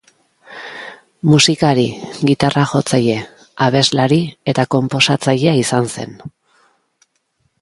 Musikari, gitarra-jotzaile, abeslari eta konposatzailea izan zen.